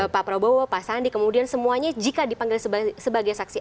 pak prabowo pak sandi kemudian semuanya jika dipanggil sebagai saksi